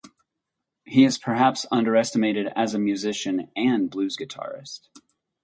He is perhaps underestimated as a musician and blues guitarist.